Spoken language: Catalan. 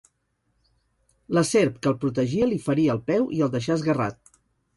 La serp que el protegia li ferí el peu i el deixà esguerrat.